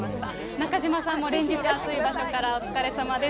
中島さんも連日暑い場所からお疲れ様です。